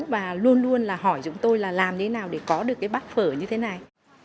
và luôn luôn là hỏi chúng tôi là làm thế nào để có được cái bát phở như thế này